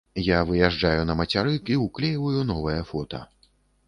Я выязджаю на мацярык і ўклейваю новае фота.